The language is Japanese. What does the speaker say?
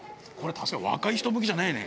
確かに若い人向きじゃないね。